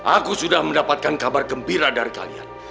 aku sudah mendapatkan kabar gembira dari kalian